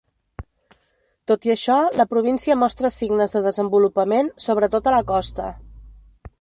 Tot i això, la província mostra signes de desenvolupament, sobretot a la costa.